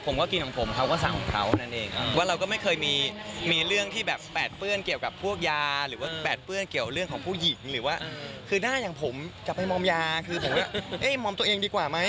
มอมตัวเองดีกว่าไหมอะไรอย่างนี้นะครับ